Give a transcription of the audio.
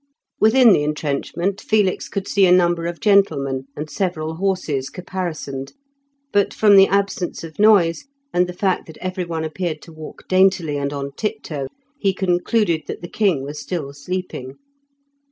Within the entrenchment Felix could see a number of gentlemen, and several horses caparisoned, but from the absence of noise and the fact that every one appeared to walk daintily and on tiptoe, he concluded that the king was still sleeping.